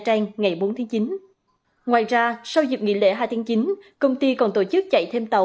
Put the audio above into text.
hằng ngày thì thường là cô đi là cô đi xe buýt nhiều